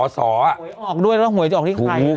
หวยออกด้วยแล้วหวยที่ใคร